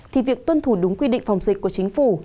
thì việc tuân thủ đúng quy định phòng dịch của chính phủ